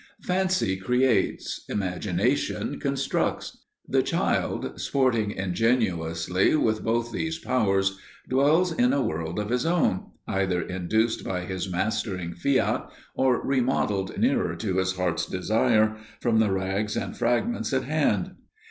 Fancy creates; imagination constructs. The child, sporting ingenuously with both these powers, dwells in a world of his own, either induced by his mastering fiat, or remodelled nearer to his heart's desire from the rags and fragments at hand.